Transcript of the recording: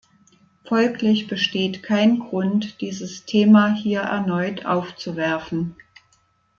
Folglich besteht kein Grund, dieses Thema hier erneut aufzuwerfen.